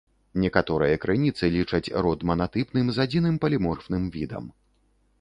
Некаторыя крыніцы лічаць род манатыпным з адзіным паліморфным відам.